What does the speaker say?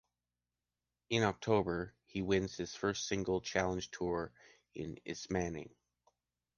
In October, he wins his first singles Challenger Tour in Ismaning.